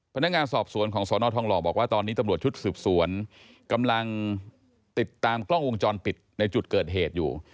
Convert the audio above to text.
พนักงานสอบสวนของสนทองหล่อบอกว่าตอนนี้ตำรวจชุดสืบสวนกำลังติดตามกล้องวงจรปิดในจุดเกิดเหตุอยู่